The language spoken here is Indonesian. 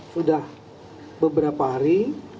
sudah beberapa hari